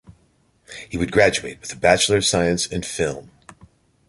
He would graduate with a Bachelor of Science in Film.